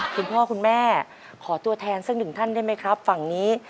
คุณพ่อคุณแม่ขอตัวแทนสักหนึ่งท่านได้ไหมครับฝั่งนี้